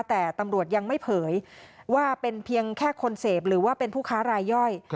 แต่ตำรวจยังไม่เผยว่าเป็นเพียงแค่คนเสพหรือว่าเป็นผู้ค้ารายย่อย